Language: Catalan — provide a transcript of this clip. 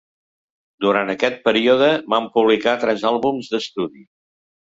Durant aquest període, van publicar tres àlbums d'estudi.